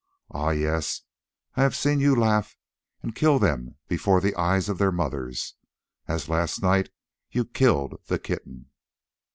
Ah! yes, I have seen you laugh and kill them before the eyes of their mothers, as last night you killed the kitten.